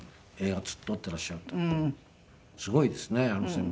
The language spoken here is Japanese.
すごいですねあの人も。